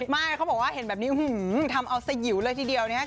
ไม่เขาบอกว่าเห็นแบบนี้ทำเอาสยิวเลยทีเดียวนะครับ